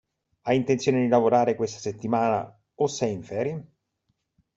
Hai intenzione di lavorare questa settimana o sei in ferie?